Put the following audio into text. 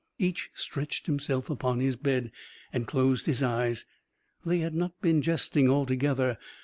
Each stretched himself upon his bed, and closed his eyes. They had not been jesting altogether.